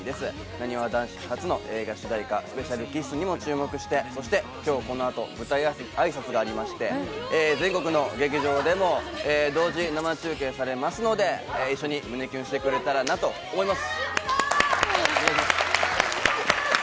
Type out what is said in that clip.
なにわ男子初の映画主題歌『ＳｐｅｃｉａｌＫｉｓｓ』にも注目して今日この後、舞台挨拶がありまして、全国の劇場でも同時生中継されますので、一緒に胸キュンしてくれたらなと思います。